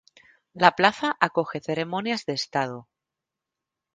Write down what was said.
La plaza acoge ceremonias de Estado.